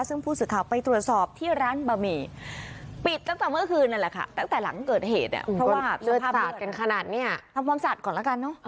ซึ่งผู้สื่อข่าวไปตรวจสอบที่ร้านบะหมี่ปิดตั้งแต่เมื่อคืนนั่นแหละค่ะ